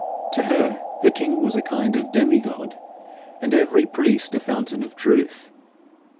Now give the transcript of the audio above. To her, the king was a kind of demigod, and every priest a fountain of truth.